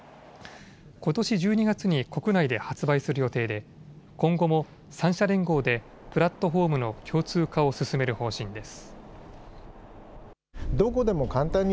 ことし１２月に国内で発売する予定で今後も３社連合でプラットフォームの共通化を進める方針です。